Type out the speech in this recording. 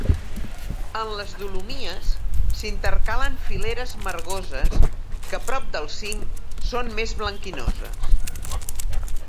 En les dolomies s’intercalen fileres margoses que, prop del cim, són més blanquinoses.